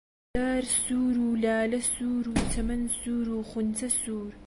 دار سوور و لالە سوور و چەمەن سوور و خونچە سوور